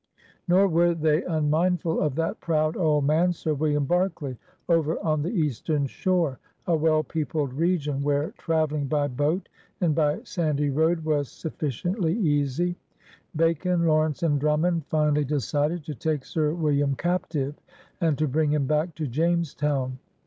Nor were they unmindful of that proud old man. Sir William Berkeley, over on the Eastern Shore, a well peopled r^on where traveling by boat and by sandy road was suffi ciently easy. Bacon, Lawrence, and Drummond finally decided to take Sir William captive and to bring him back to Jamestown.